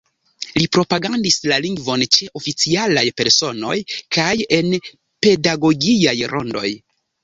Li propagandis la lingvon ĉe oficialaj personoj kaj en pedagogiaj rondoj.